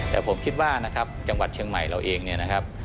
แต่ผมคิดว่านะครับจังหวัดเชียงใหม่เราเองเนี่ยนะครับ